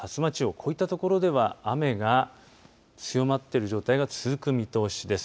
こういった所では雨が強まっている状態が続く見通しです。